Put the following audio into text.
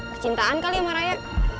kecintaan kali ya sama raya